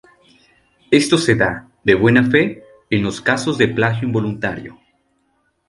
Esto se da, de buena fe, en los casos de plagio involuntario.